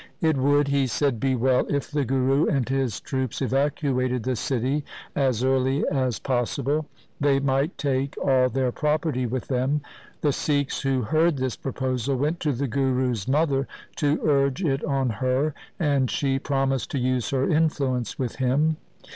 It would, he said, be well if the Guru and his troops evacuated the city as early as possible. They might take all their property with them. The Sikhs who heard this proposal went to the Guru's mother to urge it on her, and she promised to use her influence with him.